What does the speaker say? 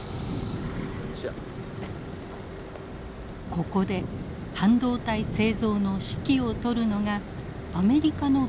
ここで半導体製造の指揮を執るのがアメリカのビジネスマンです。